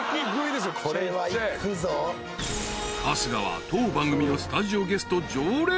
［春日は当番組のスタジオゲスト常連］